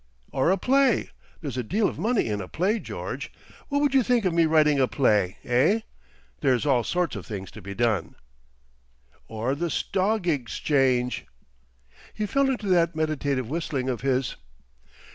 "Or a play. There's a deal of money in a play, George. What would you think of me writing a play eh?... There's all sorts of things to be done. "Or the stog igschange." He fell into that meditative whistling of his.